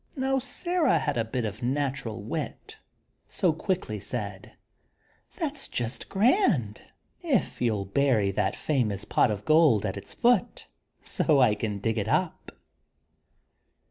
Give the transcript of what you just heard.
Now Sarah had a bit of natural wit; so quickly said: "That's just grand if you'll bury that famous pot of gold at its foot, so I can dig it up!"